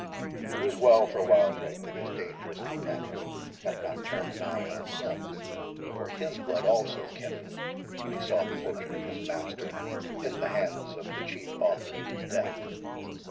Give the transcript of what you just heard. It was well for Wildrake that his dangerous companion had not turned an eye on him, for his blood also kindled when he saw the portrait of his master in the hands of the chief author of his death.